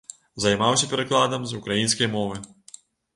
Займаўся перакладам з украінскай мовы.